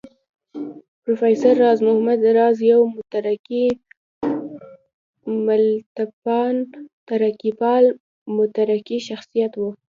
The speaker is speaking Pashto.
پروفېسر راز محمد راز يو مترقي ملتپال، ترقيپال مترقي شخصيت و